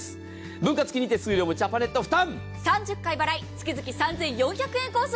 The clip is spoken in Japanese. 分割金利手数料もジャパネット負担！